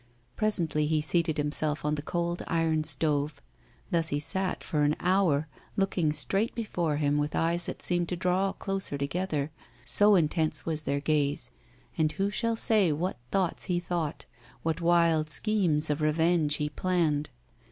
Presently he seated himself on the cold iron of the stove. Thus he sat for an hour, looking straight before him with eyes that seemed to draw closer together, so intense was their gaze. And who shall say what thoughts he thought; what wild schemes of revenge he planned?